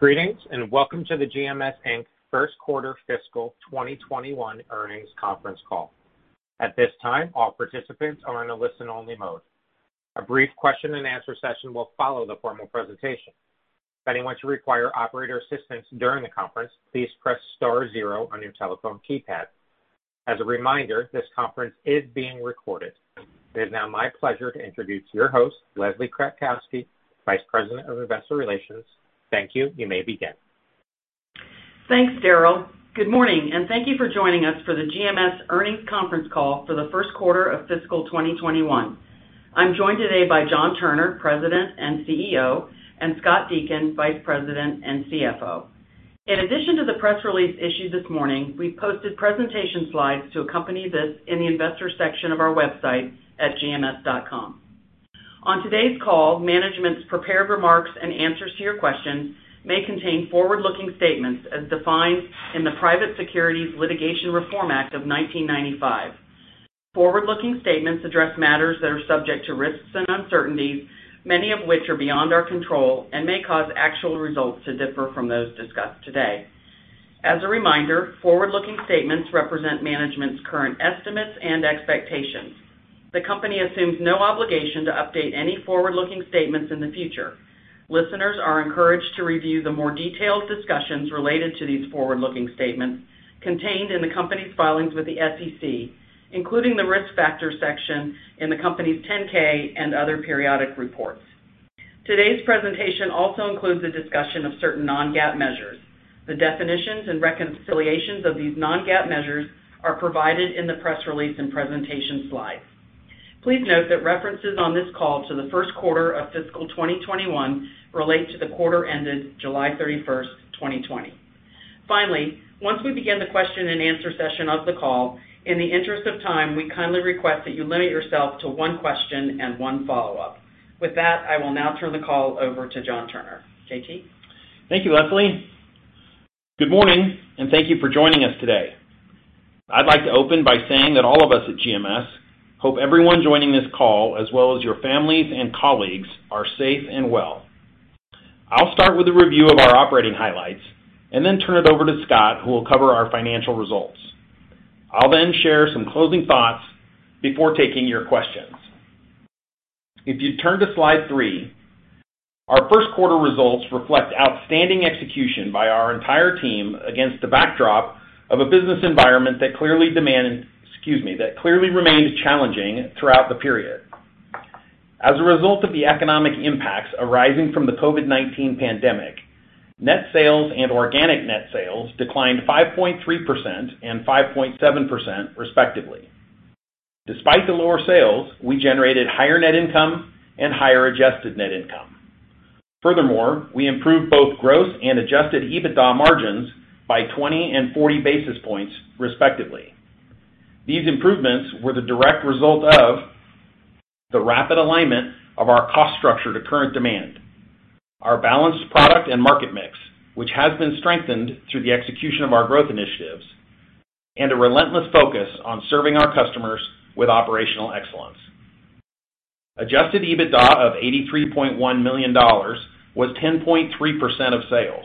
Greetings, and welcome to the GMS Inc. first quarter fiscal 2021 earnings conference call. At this time, all participants are in a listen-only mode. A brief question and answer session will follow the formal presentation. If anyone should require operator assistance during the conference, please press star zero on your telephone keypad. As a reminder, this conference is being recorded. It is now my pleasure to introduce your host, Leslie Kratcoski, Vice President of Investor Relations. Thank you. You may begin. Thanks, Daryl. Good morning, and thank you for joining us for the GMS earnings conference call for the first quarter of fiscal 2021. I'm joined today by John Turner, President and CEO, and Scott Deakin, Vice President and CFO. In addition to the press release issued this morning, we posted presentation slides to accompany this in the investor section of our website at gms.com. On today's call, management's prepared remarks and answers to your questions may contain forward-looking statements as defined in the Private Securities Litigation Reform Act of 1995. Forward-looking statements address matters that are subject to risks and uncertainties, many of which are beyond our control and may cause actual results to differ from those discussed today. As a reminder, forward-looking statements represent management's current estimates and expectations. The company assumes no obligation to update any forward-looking statements in the future. Listeners are encouraged to review the more detailed discussions related to these forward-looking statements contained in the company's filings with the SEC, including the Risk Factors section in the company's 10-K and other periodic reports. Today's presentation also includes a discussion of certain non-GAAP measures. The definitions and reconciliations of these non-GAAP measures are provided in the press release and presentation slides. Please note that references on this call to the first quarter of fiscal 2021 relate to the quarter ended July 31, 2020. Once we begin the question and answer session of the call, in the interest of time, we kindly request that you limit yourself to one question and one follow-up. I will now turn the call over to John Turner. JT? Thank you, Leslie. Good morning, and thank you for joining us today. I'd like to open by saying that all of us at GMS hope everyone joining this call, as well as your families and colleagues, are safe and well. I'll start with a review of our operating highlights and then turn it over to Scott, who will cover our financial results. I'll then share some closing thoughts before taking your questions. If you turn to slide three, our first quarter results reflect outstanding execution by our entire team against the backdrop of a business environment that clearly remains challenging throughout the period. As a result of the economic impacts arising from the COVID-19 pandemic, net sales and organic net sales declined 5.3% and 5.7%, respectively. Despite the lower sales, we generated higher net income and higher adjusted net income. Furthermore, we improved both gross and adjusted EBITDA margins by 20 and 40 basis points, respectively. These improvements were the direct result of the rapid alignment of our cost structure to current demand, our balanced product and market mix, which has been strengthened through the execution of our growth initiatives, and a relentless focus on serving our customers with operational excellence. Adjusted EBITDA of $83.1 million was 10.3% of sales,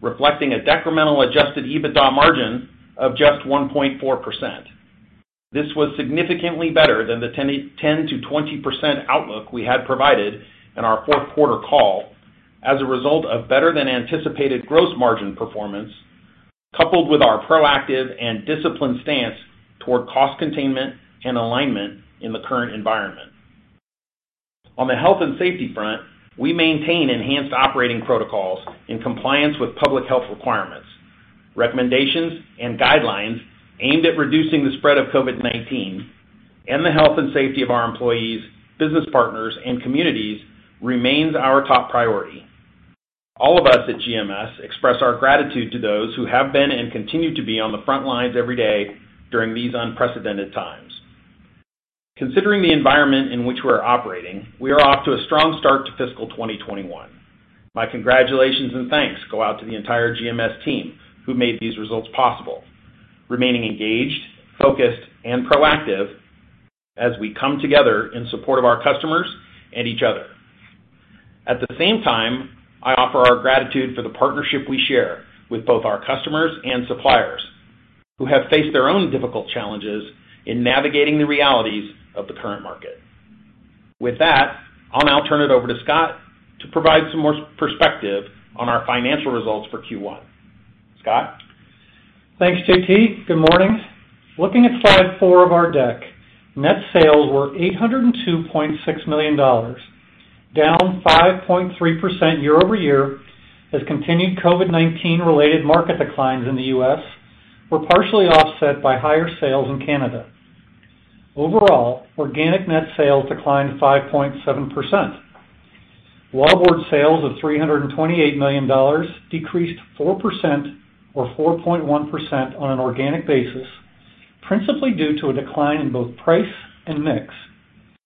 reflecting a decremental adjusted EBITDA margin of just 1.4%. This was significantly better than the 10%-20% outlook we had provided in our fourth quarter call as a result of better than anticipated gross margin performance, coupled with our proactive and disciplined stance toward cost containment and alignment in the current environment. On the health and safety front, we maintain enhanced operating protocols in compliance with public health requirements. Recommendations and guidelines aimed at reducing the spread of COVID-19 and the health and safety of our employees, business partners, and communities remains our top priority. All of us at GMS express our gratitude to those who have been and continue to be on the front lines every day during these unprecedented times. Considering the environment in which we're operating, we are off to a strong start to fiscal 2021. My congratulations and thanks go out to the entire GMS team who made these results possible, remaining engaged, focused, and proactive as we come together in support of our customers and each other. At the same time, I offer our gratitude for the partnership we share with both our customers and suppliers who have faced their own difficult challenges in navigating the realities of the current market. With that, I'll now turn it over to Scott to provide some more perspective on our financial results for Q1. Scott? Thanks, JT. Good morning. Looking at slide four of our deck, net sales were $802.6 million, down 5.3% year-over-year as continued COVID-19 related market declines in the U.S. were partially offset by higher sales in Canada. Overall, organic net sales declined 5.7%. Wallboard sales of $328 million decreased 4% or 4.1% on an organic basis, principally due to a decline in both price and mix,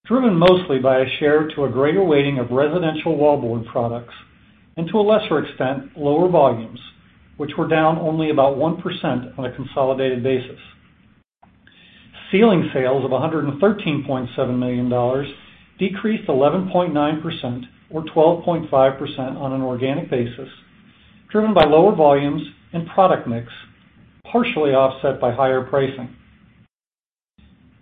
driven mostly by a share to a greater weighting of residential wallboard products and, to a lesser extent, lower volumes, which were down only about 1% on a consolidated basis. Ceiling sales of $113.7 million, decreased 11.9%, or 12.5% on an organic basis, driven by lower volumes and product mix, partially offset by higher pricing.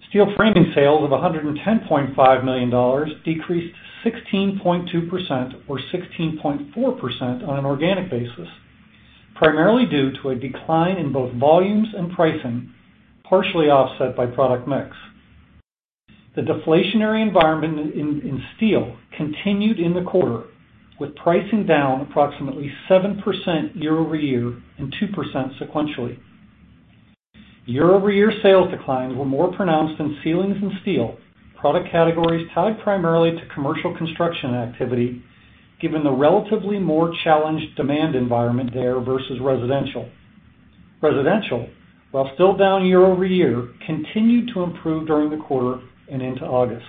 Steel framing sales of $110.5 million decreased 16.2%, or 16.4% on an organic basis, primarily due to a decline in both volumes and pricing, partially offset by product mix. The deflationary environment in steel continued in the quarter, with pricing down approximately 7% year-over-year and 2% sequentially. Year-over-year sales declines were more pronounced in ceilings and steel, product categories tied primarily to commercial construction activity, given the relatively more challenged demand environment there versus residential. Residential, while still down year-over-year, continued to improve during the quarter and into August.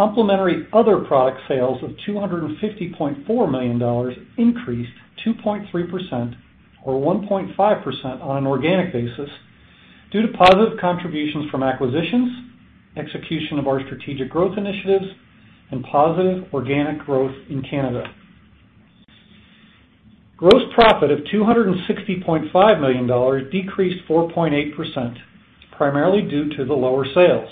Complementary other product sales of $250.4 million increased 2.3%, or 1.5% on an organic basis, due to positive contributions from acquisitions, execution of our strategic growth initiatives, and positive organic growth in Canada. Gross profit of $260.5 million decreased 4.8%, primarily due to the lower sales.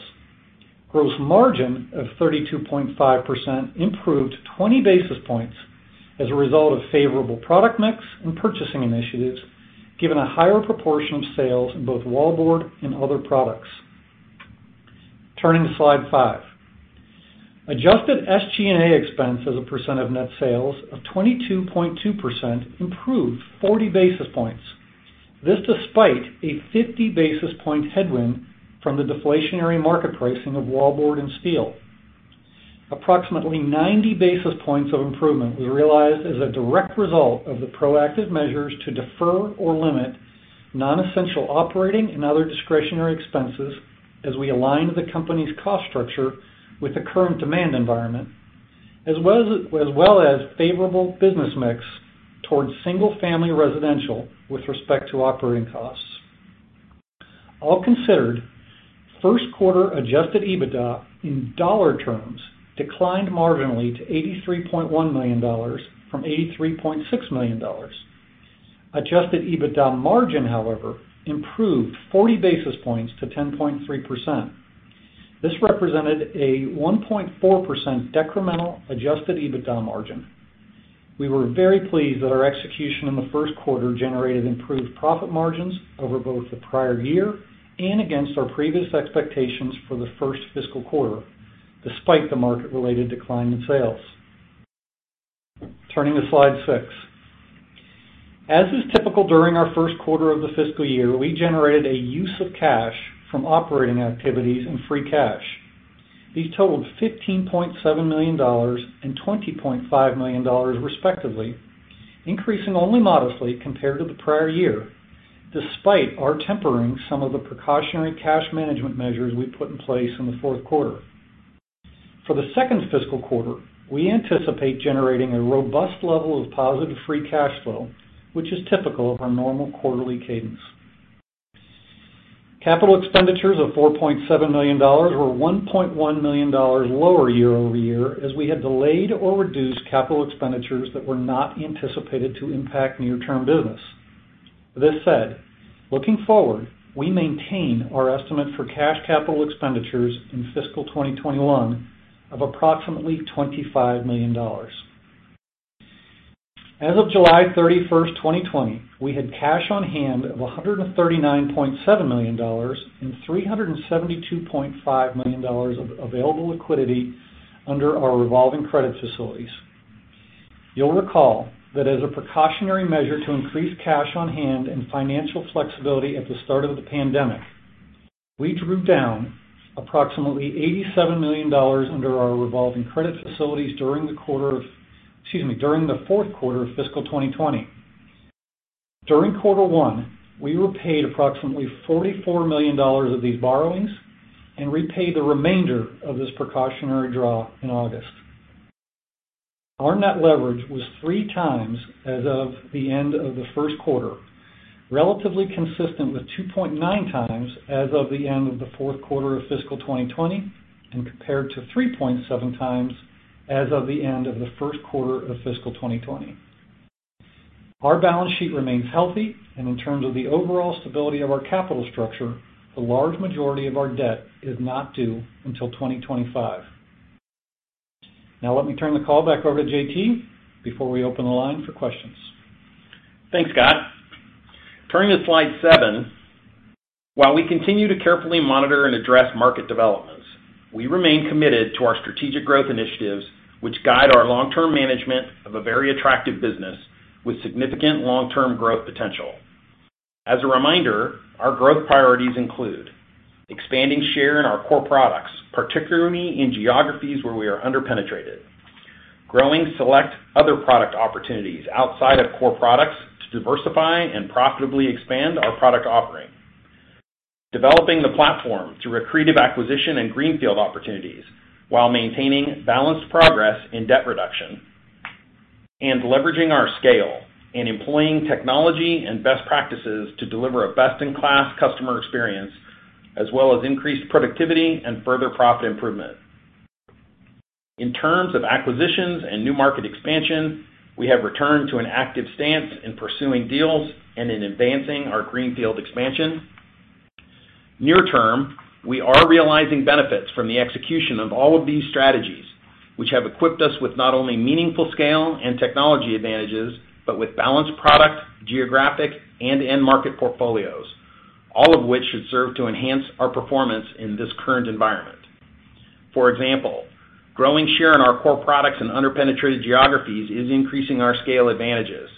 Gross margin of 32.5% improved 20 basis points as a result of favorable product mix and purchasing initiatives, given a higher proportion of sales in both wallboard and other products. Turning to slide five. Adjusted SG&A expense as a percent of net sales of 22.2% improved 40 basis points. This despite a 50 basis point headwind from the deflationary market pricing of wallboard and steel. Approximately 90 basis points of improvement was realized as a direct result of the proactive measures to defer or limit non-essential operating and other discretionary expenses as we align the company's cost structure with the current demand environment, as well as favorable business mix towards single-family residential with respect to operating costs. All considered, first quarter adjusted EBITDA, in dollar terms, declined marginally to $83.1 million from $83.6 million. Adjusted EBITDA margin, however, improved 40 basis points to 10.3%. This represented a 1.4% decremental adjusted EBITDA margin. We were very pleased that our execution in the first quarter generated improved profit margins over both the prior year and against our previous expectations for the first fiscal quarter, despite the market-related decline in sales. Turning to slide six. As is typical during our first quarter of the fiscal year, we generated a use of cash from operating activities and free cash. These totaled $15.7 million and $20.5 million respectively, increasing only modestly compared to the prior year, despite our tempering some of the precautionary cash management measures we put in place in the fourth quarter. For the second fiscal quarter, we anticipate generating a robust level of positive free cash flow, which is typical of our normal quarterly cadence. Capital expenditures of $4.7 million were $1.1 million lower year-over-year as we had delayed or reduced capital expenditures that were not anticipated to impact near-term business. This said, looking forward, we maintain our estimate for cash capital expenditures in fiscal 2021 of approximately $25 million. As of July 31, 2020, we had cash on hand of $139.7 million and $372.5 million of available liquidity under our revolving credit facilities. You'll recall that as a precautionary measure to increase cash on hand and financial flexibility at the start of the pandemic, we drew down approximately $87 million under our revolving credit facilities during the fourth quarter of fiscal 2020. During quarter one, we repaid approximately $44 million of these borrowings and repaid the remainder of this precautionary draw in August. Our net leverage was three times as of the end of the first quarter, relatively consistent with 2.9 times as of the end of the fourth quarter of fiscal 2020, and compared to 3.7 times as of the end of the first quarter of fiscal 2020. Our balance sheet remains healthy, in terms of the overall stability of our capital structure, the large majority of our debt is not due until 2025. Let me turn the call back over to JT before we open the line for questions. Thanks, Scott. Turning to slide seven. While we continue to carefully monitor and address market developments, we remain committed to our strategic growth initiatives, which guide our long-term management of a very attractive business with significant long-term growth potential. As a reminder, our growth priorities include expanding share in our core products, particularly in geographies where we are under-penetrated. Growing select other product opportunities outside of core products to diversify and profitably expand our product offering. Developing the platform through accretive acquisition and greenfield opportunities while maintaining balanced progress in debt reduction. Leveraging our scale and employing technology and best practices to deliver a best-in-class customer experience, as well as increased productivity and further profit improvement. In terms of acquisitions and new market expansion, we have returned to an active stance in pursuing deals and in advancing our greenfield expansion. Near term, we are realizing benefits from the execution of all of these strategies, which have equipped us with not only meaningful scale and technology advantages, but with balanced product, geographic, and end market portfolios, all of which should serve to enhance our performance in this current environment. For example, growing share in our core products and under-penetrated geographies is increasing our scale advantages.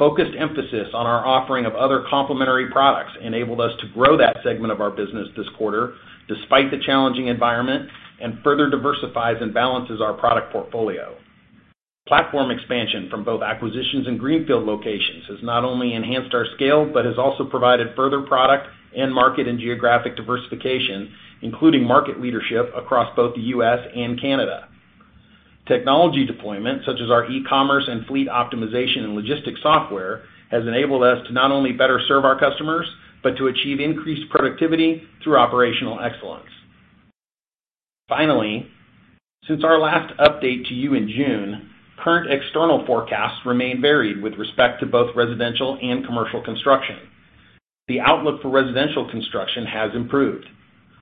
Focused emphasis on our offering of other complementary products enabled us to grow that segment of our business this quarter, despite the challenging environment, and further diversifies and balances our product portfolio. Platform expansion from both acquisitions and greenfield locations has not only enhanced our scale but has also provided further product and market and geographic diversification, including market leadership across both the U.S. and Canada. Technology deployment, such as our e-commerce and fleet optimization and logistics software, has enabled us to not only better serve our customers, but to achieve increased productivity through operational excellence. Finally, since our last update to you in June, current external forecasts remain varied with respect to both residential and commercial construction. The outlook for residential construction has improved.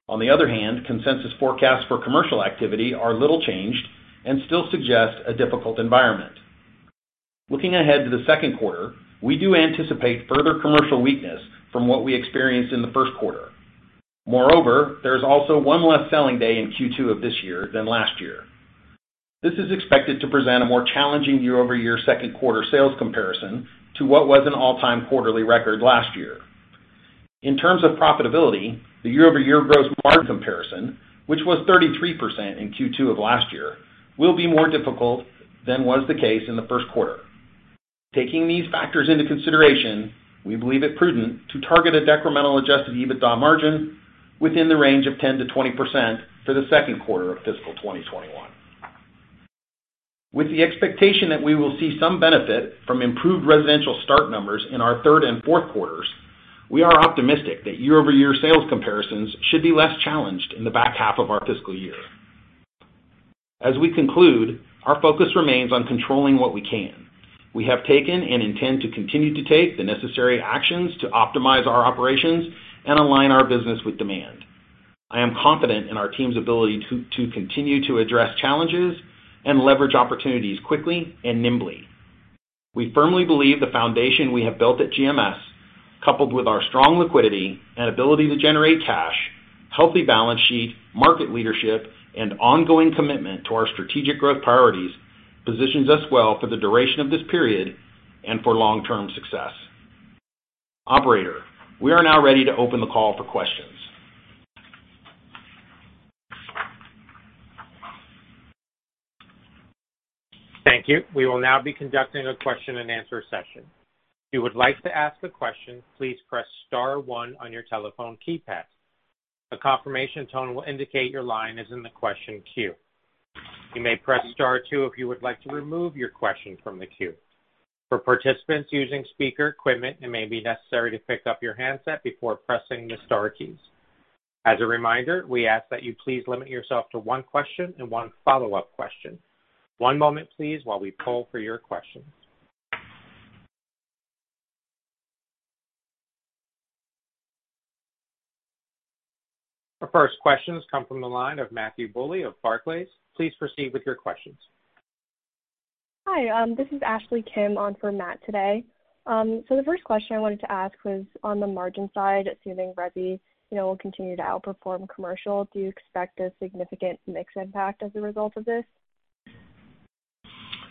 On the other hand, consensus forecasts for commercial activity are little changed and still suggest a difficult environment. Looking ahead to the second quarter, we do anticipate further commercial weakness from what we experienced in the first quarter. Moreover, there is also one less selling day in Q2 of this year than last year. This is expected to present a more challenging year-over-year second quarter sales comparison to what was an all-time quarterly record last year. In terms of profitability, the year-over-year gross margin comparison, which was 33% in Q2 of last year, will be more difficult than was the case in the first quarter. Taking these factors into consideration, we believe it prudent to target a decremental adjusted EBITDA margin within the range of 10%-20% for the second quarter of fiscal 2021. With the expectation that we will see some benefit from improved residential start numbers in our third and fourth quarters, we are optimistic that year-over-year sales comparisons should be less challenged in the back half of our fiscal year. As we conclude, our focus remains on controlling what we can. We have taken and intend to continue to take the necessary actions to optimize our operations and align our business with demand. I am confident in our team's ability to continue to address challenges and leverage opportunities quickly and nimbly. We firmly believe the foundation we have built at GMS, coupled with our strong liquidity and ability to generate cash, healthy balance sheet, market leadership, and ongoing commitment to our strategic growth priorities, positions us well for the duration of this period and for long-term success. Operator, we are now ready to open the call for questions. Thank you. We will now be conducting a question and answer session. If you would like to ask a question, please press star one on your telephone keypad. A confirmation tone will indicate your line is in the question queue. You may press star two if you would like to remove your question from the queue. For participants using speaker equipment, it may be necessary to pick up your handset before pressing the star keys. As a reminder, we ask that you please limit yourself to one question and one follow-up question. One moment, please, while we poll for your questions. Our first questions come from the line of Matthew Bouley of Barclays. Please proceed with your questions. Hi. This is Ashley Kim on for Matt today. The first question I wanted to ask was on the margin side, assuming resi will continue to outperform commercial, do you expect a significant mix impact as a result of this?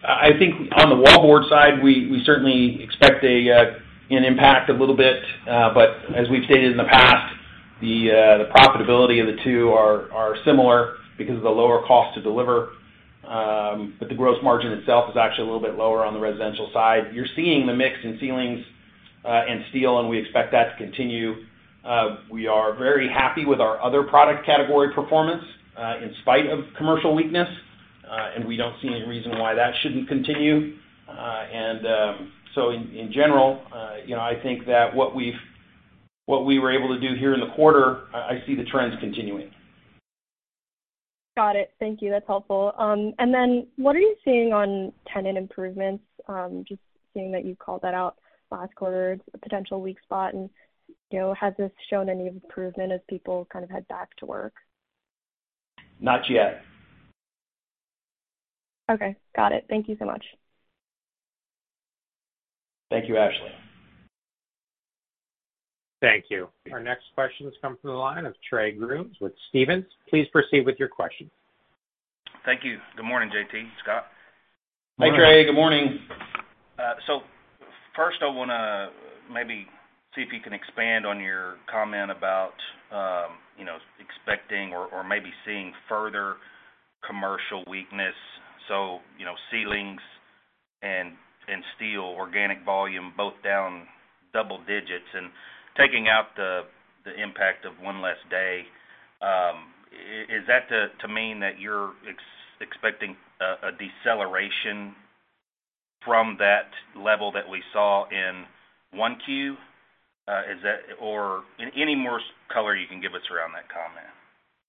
I think on the wallboard side, we certainly expect an impact a little bit. As we've stated in the past, the profitability of the two are similar because of the lower cost to deliver. The gross margin itself is actually a little bit lower on the residential side. You're seeing the mix in ceilings and steel, and we expect that to continue. We are very happy with our other product category performance in spite of commercial weakness, and we don't see any reason why that shouldn't continue. In general, I think that what we were able to do here in the quarter, I see the trends continuing. Got it. Thank you. That's helpful. What are you seeing on tenant improvements? Just seeing that you called that out last quarter as a potential weak spot. Has this shown any improvement as people kind of head back to work? Not yet. Okay. Got it. Thank you so much. Thank you, Ashley. Thank you. Our next question comes from the line of Trey Grooms with Stephens. Please proceed with your question. Thank you. Good morning, JT, Scott. Hey, Trey. Good morning. First I want to maybe see if you can expand on your comment about expecting or maybe seeing further commercial weakness. Ceilings and steel organic volume both down double digits. Taking out the impact of one less day, is that to mean that you're expecting a deceleration from that level that we saw in 1Q? Or any more color you can give us around that comment?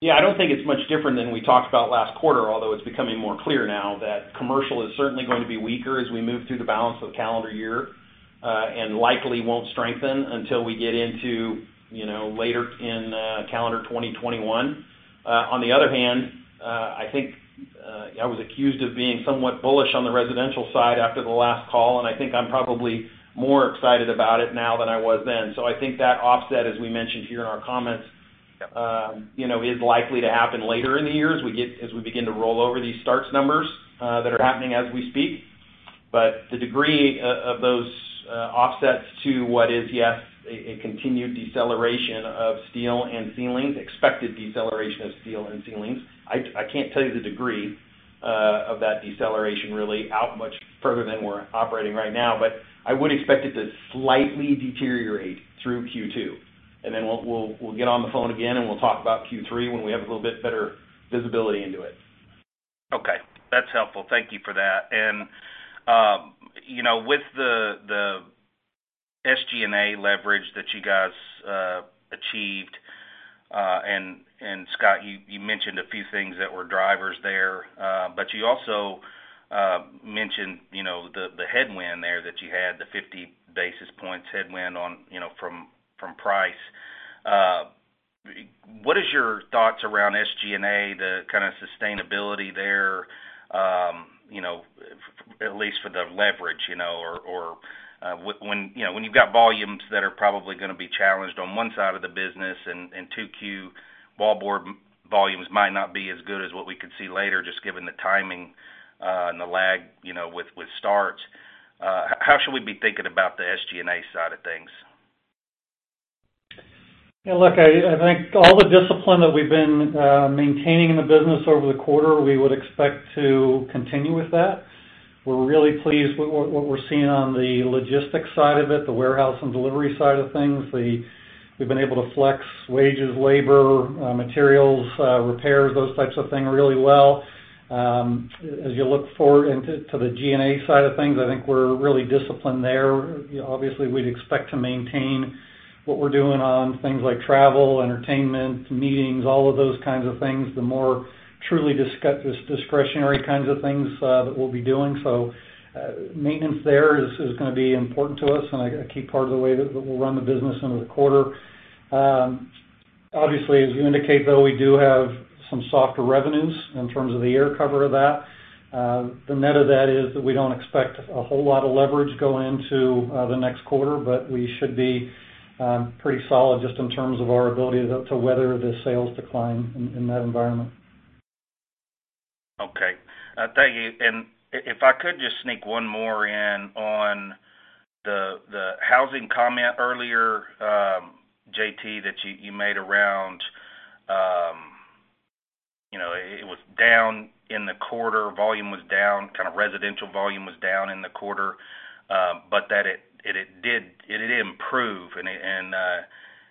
Yeah, I don't think it's much different than we talked about last quarter, although it's becoming more clear now that commercial is certainly going to be weaker as we move through the balance of calendar year, and likely won't strengthen until we get into later in calendar 2021. On the other hand, I think I was accused of being somewhat bullish on the residential side after the last call, and I think I'm probably more excited about it now than I was then. I think that offset, as we mentioned here in our comments, is likely to happen later in the year as we begin to roll over these starts numbers that are happening as we speak. The degree of those offsets to what is, yes, a continued deceleration of steel and ceilings, expected deceleration of steel and ceilings, I can't tell you the degree of that deceleration, really, out much further than we're operating right now. I would expect it to slightly deteriorate through Q2, and then we'll get on the phone again, and we'll talk about Q3 when we have a little bit better visibility into it. Okay. That's helpful. Thank you for that. With the SG&A leverage that you guys achieved, and Scott, you mentioned a few things that were drivers there. You also mentioned the headwind there that you had, the 50 basis points headwind from price. What is your thoughts around SG&A, the kind of sustainability there, at least for the leverage? When you've got volumes that are probably going to be challenged on one side of the business and 2Q wallboard volumes might not be as good as what we could see later, just given the timing and the lag with starts, how should we be thinking about the SG&A side of things? Yeah, look, I think all the discipline that we've been maintaining in the business over the quarter, we would expect to continue with that. We're really pleased with what we're seeing on the logistics side of it, the warehouse and delivery side of things. We've been able to flex wages, labor, materials, repairs, those types of things really well. You look forward into the SG&A side of things, I think we're really disciplined there. Obviously, we'd expect to maintain what we're doing on things like travel, entertainment, meetings, all of those kinds of things, the more truly discretionary kinds of things that we'll be doing. Maintenance there is going to be important to us and a key part of the way that we'll run the business into the quarter. Obviously, as you indicate, though, we do have some softer revenues in terms of the year cover of that. The net of that is that we don't expect a whole lot of leverage going into the next quarter, but we should be pretty solid just in terms of our ability to weather the sales decline in that environment. Okay. Thank you. If I could just sneak one more in on the housing comment earlier, JT, that you made around it was down in the quarter, volume was down, kind of residential volume was down in the quarter, but that it did improve.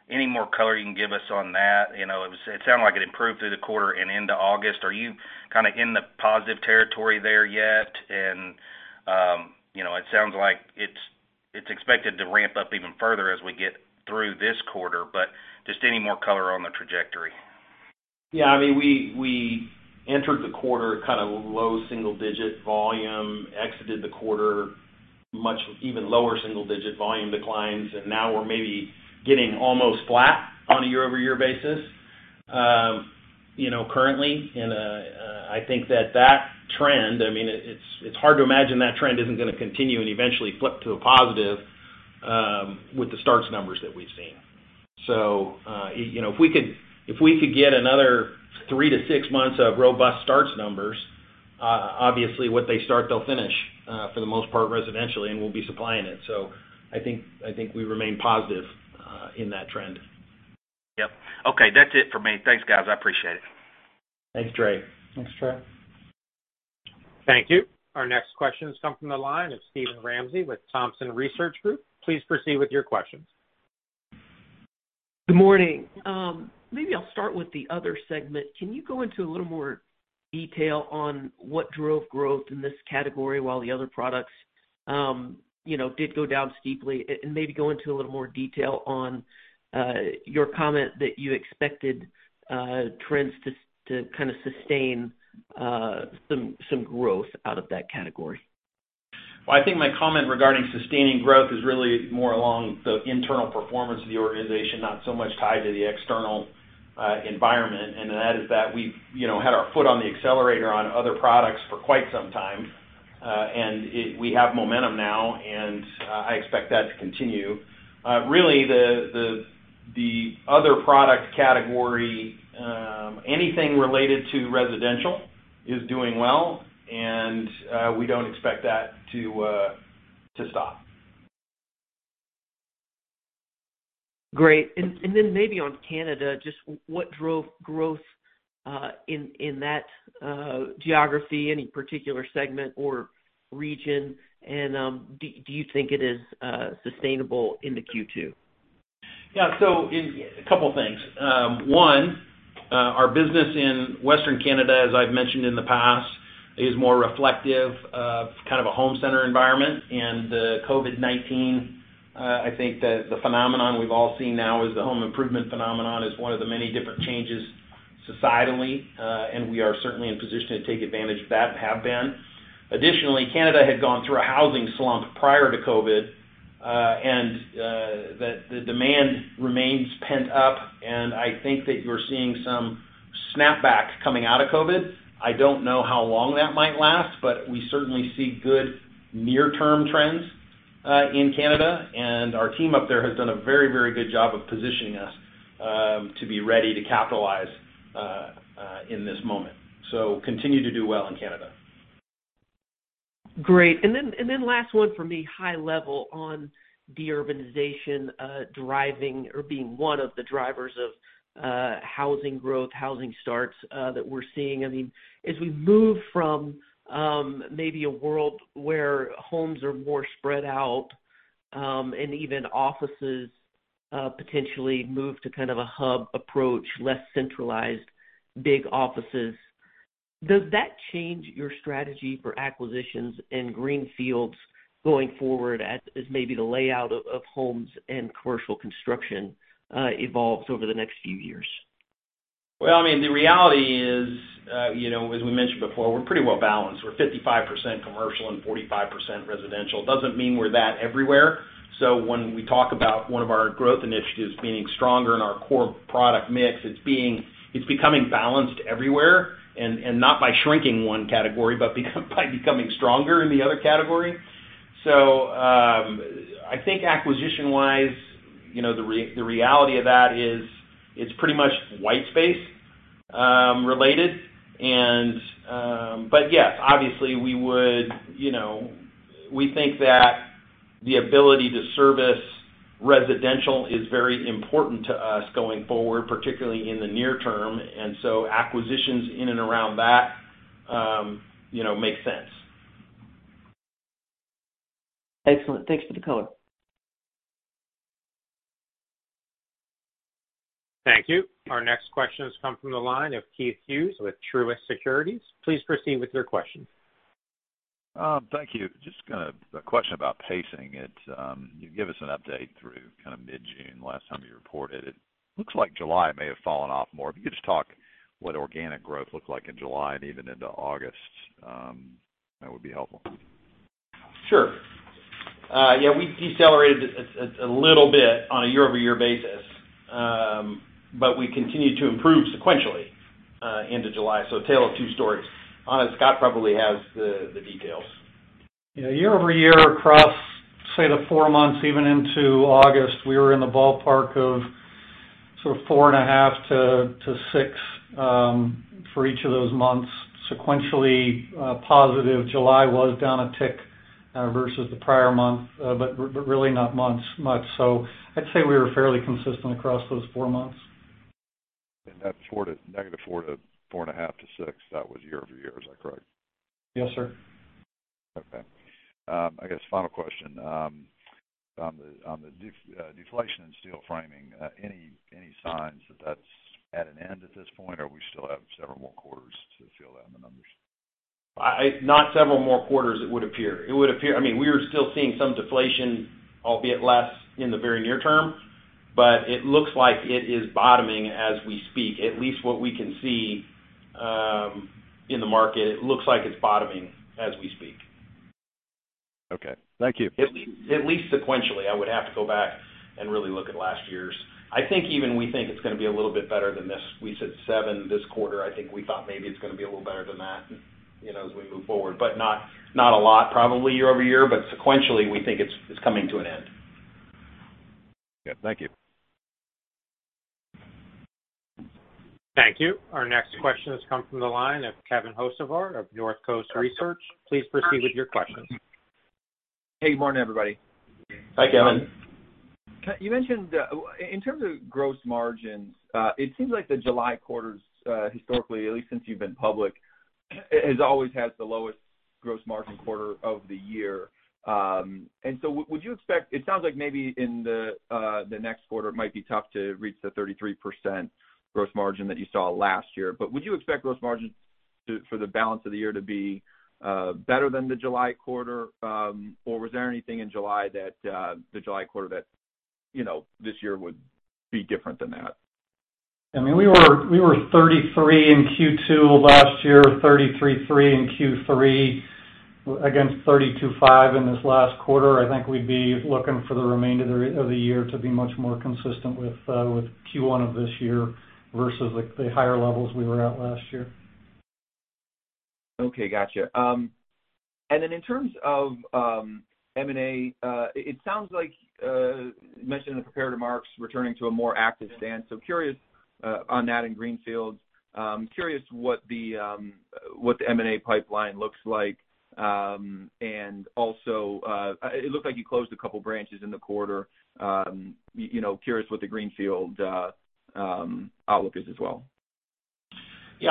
Any more color you can give us on that? It sounded like it improved through the quarter and into August. Are you kind of in the positive territory there yet? It sounds like it's expected to ramp up even further as we get through this quarter, but just any more color on the trajectory? Yeah. We entered the quarter kind of low single-digit volume, exited the quarter much even lower single-digit volume declines, now we're maybe getting almost flat on a year-over-year basis currently. I think that that trend, it's hard to imagine that trend isn't going to continue and eventually flip to a positive with the starts numbers that we've seen. If we could get another three to six months of robust starts numbers, obviously what they start, they'll finish, for the most part residentially, we'll be supplying it. I think we remain positive in that trend. Yep. Okay. That's it for me. Thanks, guys. I appreciate it. Thanks, Trey. Thanks, Trey. Thank you. Our next question comes from the line of Steven Ramsey with Thompson Research Group. Please proceed with your questions. Good morning. Maybe I'll start with the other segment. Can you go into a little more detail on what drove growth in this category while the other products did go down steeply? Maybe go into a little more detail on your comment that you expected trends to kind of sustain some growth out of that category? I think my comment regarding sustaining growth is really more along the internal performance of the organization, not so much tied to the external environment. That is that we've had our foot on the accelerator on other products for quite some time, and we have momentum now. I expect that to continue. The other product category, anything related to residential is doing well, and we don't expect that to stop. Great. Maybe on Canada, just what drove growth in that geography, any particular segment or region, and do you think it is sustainable into Q2? Yeah. A couple of things. One, our business in Western Canada, as I've mentioned in the past, is more reflective of a home center environment. The COVID-19, I think that the phenomenon we've all seen now is the home improvement phenomenon, is one of the many different changes societally. We are certainly in position to take advantage of that, and have been. Additionally, Canada had gone through a housing slump prior to COVID, and the demand remains pent up, and I think that you're seeing some snapback coming out of COVID. I don't know how long that might last, but we certainly see good near-term trends in Canada. Our team up there has done a very good job of positioning us to be ready to capitalize in this moment. Continue to do well in Canada. Great. Last one from me, high level on de-urbanization being one of the drivers of housing growth, housing starts that we're seeing. As we move from maybe a world where homes are more spread out, and even offices potentially move to a hub approach, less centralized big offices, does that change your strategy for acquisitions and greenfields going forward as maybe the layout of homes and commercial construction evolves over the next few years? Well, the reality is, as we mentioned before, we're pretty well-balanced. We're 55% commercial and 45% residential. Doesn't mean we're that everywhere. When we talk about one of our growth initiatives being stronger in our core product mix, it's becoming balanced everywhere. Not by shrinking one category, but by becoming stronger in the other category. I think acquisition-wise, the reality of that is it's pretty much white space related. Yes, obviously we think that the ability to service residential is very important to us going forward, particularly in the near term. Acquisitions in and around that make sense. Excellent. Thanks for the color. Thank you. Our next question has come from the line of Keith Hughes with Truist Securities. Please proceed with your question. Thank you. Just a question about pacing. You gave us an update through mid-June last time you reported. It looks like July may have fallen off more. If you could just talk what organic growth looked like in July and even into August, that would be helpful. Sure. Yeah, we decelerated a little bit on a year-over-year basis. We continued to improve sequentially into July, so a tale of two stories. Honestly, Scott probably has the details. Yeah. Year-over-year across, say the four months even into August, we were in the ballpark of 4.5%-6% for each of those months. Sequentially positive. July was down a tick versus the prior month, but really not much. I'd say we were fairly consistent across those four months. That -4% to 4.5% to 6%, that was year-over-year. Is that correct? Yes, sir. Okay. I guess final question. On the deflation in steel framing, any signs that that's at an end at this point, or we still have several more quarters to feel that in the numbers? Not several more quarters, it would appear. We are still seeing some deflation, albeit less in the very near term. It looks like it is bottoming as we speak, at least what we can see in the market, it looks like it's bottoming as we speak. Okay. Thank you. At least sequentially. I would have to go back and really look at last year's. I think even we think it's going to be a little bit better than this. We said seven this quarter. I think we thought maybe it's going to be a little better than that as we move forward. Not a lot probably year-over-year, but sequentially, we think it's coming to an end. Yeah. Thank you. Thank you. Our next question has come from the line of Kevin Hocevar of Northcoast Research. Please proceed with your question. Hey, good morning, everybody. Hi, Kevin. You mentioned, in terms of gross margins, it seems like the July quarter historically, at least since you've been public, has always had the lowest gross margin quarter of the year. It sounds like maybe in the next quarter, it might be tough to reach the 33% gross margin that you saw last year. Would you expect gross margins for the balance of the year to be better than the July quarter? Was there anything in the July quarter that this year would be different than that? We were 33% in Q2 last year, 33.3% in Q3, against 32.5% in this last quarter. I think we'd be looking for the remainder of the year to be much more consistent with Q1 of this year versus the higher levels we were at last year. Okay. Gotcha. In terms of M&A, it sounds like you mentioned in the prepared remarks returning to a more active stance. Curious on that in greenfield. Curious what the M&A pipeline looks like. It looked like you closed a couple branches in the quarter. Curious what the greenfield outlook is as well. In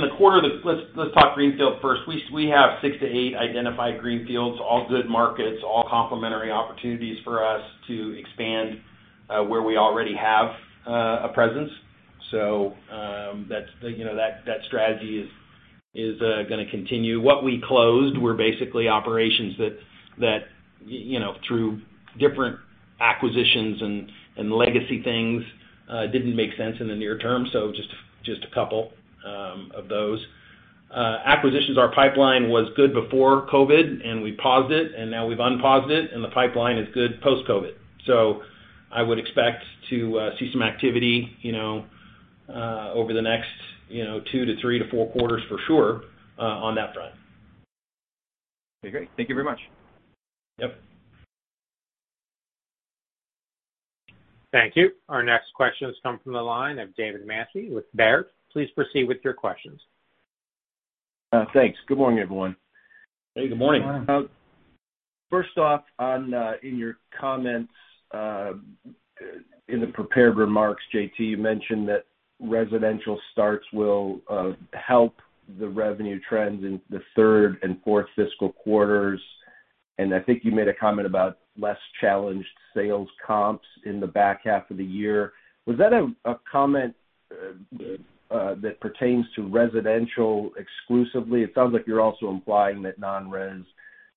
the quarter, let's talk greenfield first. We have six to eight identified greenfields, all good markets, all complementary opportunities for us to expand where we already have a presence. That strategy is going to continue. What we closed were basically operations that, through different acquisitions and legacy things, didn't make sense in the near term, just a couple of those. Acquisitions, our pipeline was good before COVID, and we paused it, and now we've unpaused it, and the pipeline is good post-COVID. I would expect to see some activity over the next two to three to four quarters for sure on that front. Okay, great. Thank you very much. Yep. Thank you. Our next question has come from the line of David Manthey with Baird. Please proceed with your questions. Thanks. Good morning, everyone. Hey, good morning. Good morning. First off, in your comments in the prepared remarks, JT, you mentioned that residential starts will help the revenue trends in the third and fourth fiscal quarters, and I think you made a comment about less challenged sales comps in the back half of the year. Was that a comment that pertains to residential exclusively? It sounds like you're also implying that non-res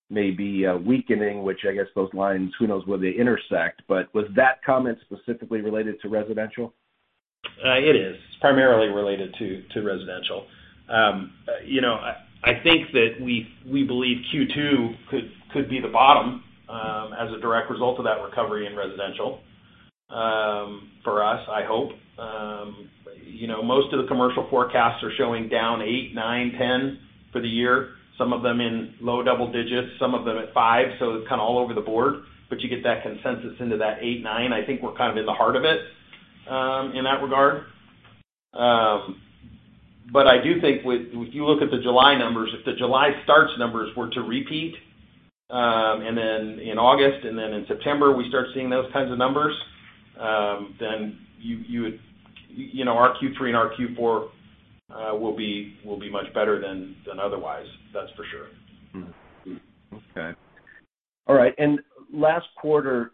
may be weakening, which I guess those lines, who knows where they intersect, but was that comment specifically related to residential? It is. It's primarily related to residential. I think that we believe Q2 could be the bottom as a direct result of that recovery in residential for us, I hope. Most of the commercial forecasts are showing down 10% for the year, some of them in low double digits, some of them at five, so it's kind of all over the board, but you get that consensus into that eight, nine. I think we're kind of in the heart of it in that regard. I do think if you look at the July numbers, if the July starts numbers were to repeat, and then in August and then in September, we start seeing those kinds of numbers, then our Q3 and our Q4 will be much better than otherwise. That's for sure. Okay. All right. Last quarter,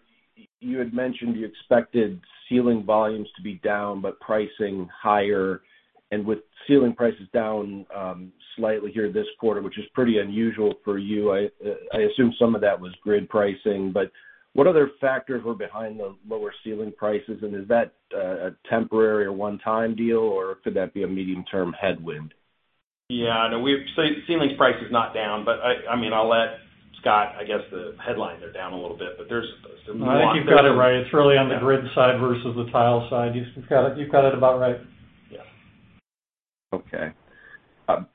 you had mentioned you expected ceiling volumes to be down but pricing higher. With ceiling prices down slightly here this quarter, which is pretty unusual for you, I assume some of that was grid pricing. What other factors were behind the lower ceiling prices? Is that a temporary or one-time deal, or could that be a medium-term headwind? Yeah, no. Ceiling price is not down, but I'll let Scott-- I guess the headline, they're down a little bit, but there's- I think you've got it right. It's really on the grid side versus the tile side. You've got it about right. Yeah. Okay. I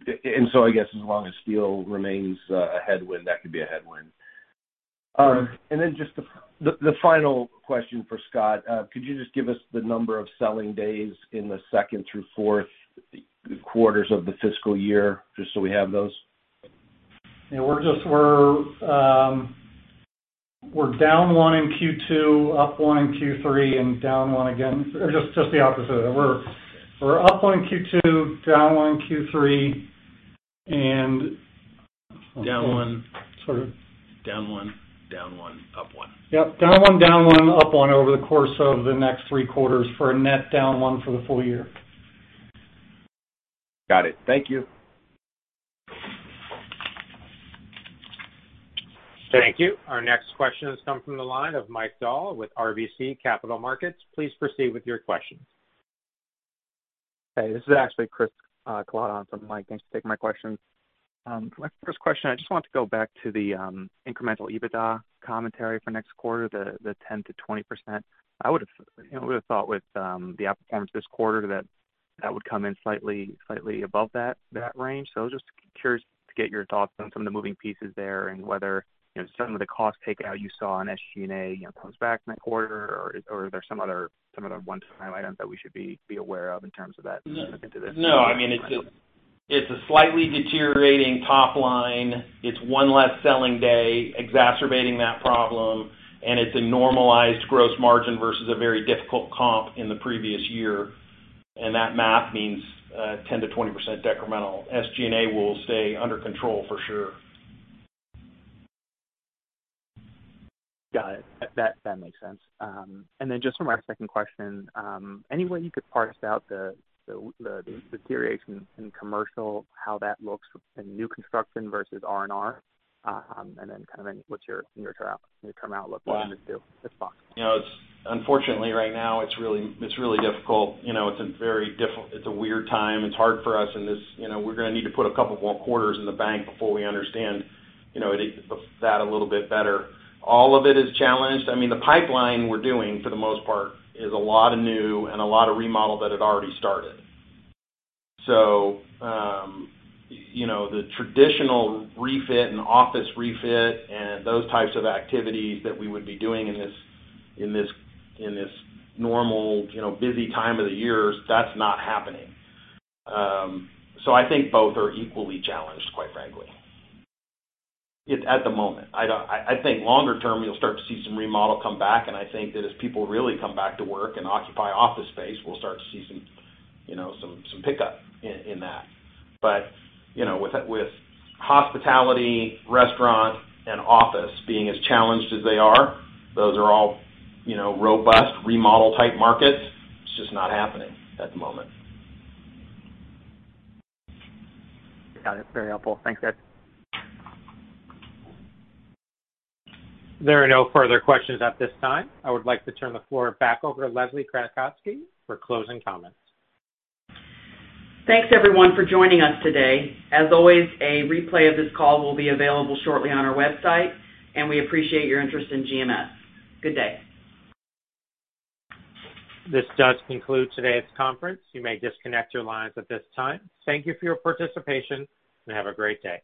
guess as long as steel remains a headwind, that could be a headwind. Just the final question for Scott, could you just give us the number of selling days in the second through fourth quarters of the fiscal year, just so we have those? Yeah. We're down one in Q2, up one in Q3, and down one again. Just the opposite. We're up one in Q2, down one in Q3. Down one. Sorry? Down one, down one, up one. Yep. Down one, down one, up one over the course of the next three quarters for a net down one for the full year. Got it. Thank you. Thank you. Our next question has come from the line of Mike Dahl with RBC Capital Markets. Please proceed with your questions. Hey, this is actually Chris from Mike. Thanks for taking my questions. My first question, I just wanted to go back to the incremental EBITDA commentary for next quarter, the 10%-20%. I would've thought with the outperformance this quarter that that would come in slightly above that range. Just curious to get your thoughts on some of the moving pieces there and whether some of the cost takeout you saw in SG&A comes back next quarter or are there some other one-time items that we should be aware of in terms of that looking through this? No. It's a slightly deteriorating top line. It's one less selling day exacerbating that problem, and it's a normalized gross margin versus a very difficult comp in the previous year, and that math means 10%-20% decremental. SG&A will stay under control for sure. Got it. That makes sense. Just for my second question, any way you could parse out the deterioration in commercial, how that looks in new construction versus R&R? Kind of what's your term outlook look like for Q2? Just follow up. Unfortunately right now, it's really difficult. It's a weird time. It's hard for us in this. We're going to need to put a couple more quarters in the bank before we understand that a little bit better. All of it is challenged. The pipeline we're doing, for the most part, is a lot of new and a lot of remodel that had already started. The traditional refit and office refit and those types of activities that we would be doing in this normal busy time of the year, that's not happening. I think both are equally challenged, quite frankly, at the moment. I think longer term, you'll start to see some remodel come back, and I think that as people really come back to work and occupy office space, we'll start to see some pickup in that. With hospitality, restaurant, and office being as challenged as they are, those are all robust remodel-type markets. It's just not happening at the moment. Got it. Very helpful. Thanks, guys. There are no further questions at this time. I would like to turn the floor back over to Leslie Kratcoski for closing comments. Thanks, everyone, for joining us today. As always, a replay of this call will be available shortly on our website, and we appreciate your interest in GMS. Good day. This does conclude today's conference. You may disconnect your lines at this time. Thank you for your participation, and have a great day.